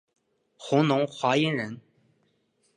弘农华阴人。